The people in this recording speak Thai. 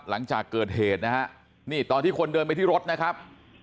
หลังจากเกิดเหตุนะฮะนี่ตอนที่คนเดินไปที่รถนะครับ